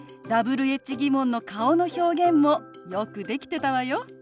Ｗｈ−疑問の顔の表現もよくできてたわよ。